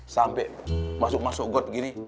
sampai masuk masuk got begini